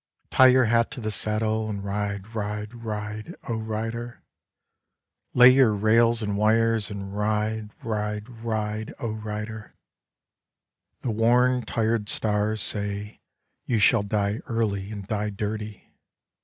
Tie your hat to the saddle and ride, ride, ride, O Rider. Lay your rails and wires and ride, ride, ride, Rider. The worn tired stars say you shall die early and die dirty.